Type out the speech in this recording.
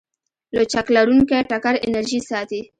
لچک لرونکی ټکر انرژي ساتي.